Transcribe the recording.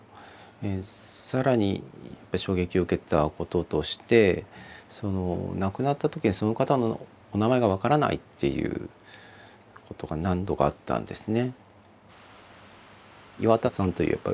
更に衝撃を受けたこととして亡くなった時にその方のお名前が分からないっていうことが何度かあったんですね。